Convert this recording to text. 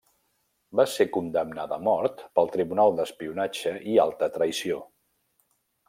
Va ser condemnada a mort pel Tribunal d'Espionatge i Alta Traïció.